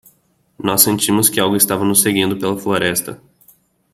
Nós sentimos que algo estava nos seguindo pela floresta.